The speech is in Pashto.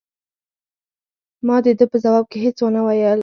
ما د ده په ځواب کې هیڅ ونه ویل.